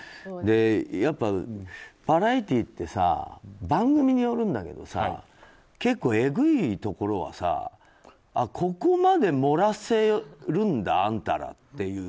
やっぱ、バラエティーってさ番組によるんだけどさ結構えぐいところはここまで盛らせるんだあんたらっていう。